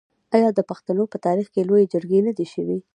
آیا د پښتنو په تاریخ کې لویې جرګې نه دي شوي؟